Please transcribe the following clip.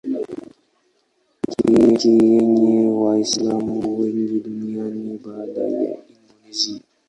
Ni nchi yenye Waislamu wengi duniani baada ya Indonesia.